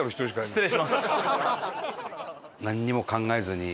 失礼します。